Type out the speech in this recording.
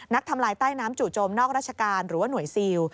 ทำลายใต้น้ำจู่โจมนอกราชการหรือว่าหน่วยซิล